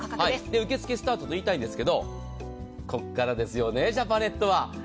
受け付けスタートと言いたいんですがここからですよねジャパネットは。